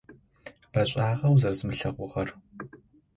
Бэшӏагъэ узысымылъэгъугъэр.